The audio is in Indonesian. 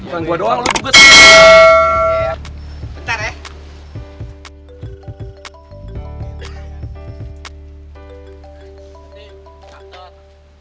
tolong selain pak on